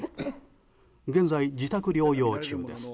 現在、自宅療養中です。